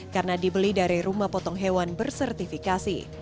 karena dibeli dari rumah potong hewan bersertifikasi